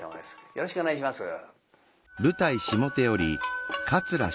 よろしくお願いします。